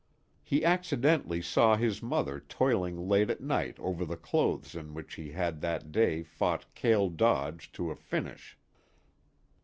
He accidentally saw his mother toiling late at night over the clothes in which he had that day fought Cale Dodge to a finish.